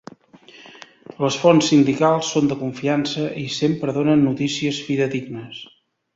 Les fonts sindicals són de confiança i sempre donen notícies fidedignes.